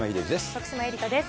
徳島えりかです。